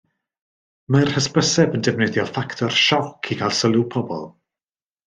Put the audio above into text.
Mae'r hysbyseb yn defnyddio ffactor sioc i gael sylw pobl